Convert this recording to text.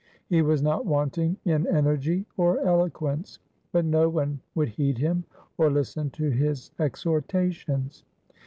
He was not wanting in energy or eloquence, but no one would heed him or listen to his exhortations.